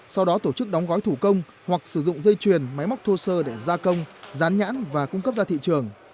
sau đó tổ chức đóng gói thủ công hoặc sử dụng dây chuyền máy móc thô sơ để gia công dán nhãn và cung cấp ra thị trường